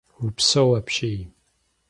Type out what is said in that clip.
Упсэу апщий.